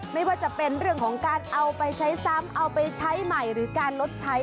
ไม่ว่าจะเป็นเรื่องของการเอาไปใช้ซ้ำเอาไปใช้ใหม่หรือการลดใช้